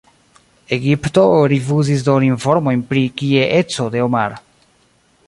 Egipto rifuzis doni informojn pri kie-eco de Omar.